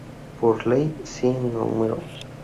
Por Ley C No.